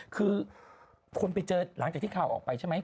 คือคนไปเจอหลังจากที่ข่าวออกไปใช่ไหม